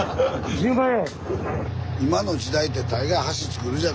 １０万円！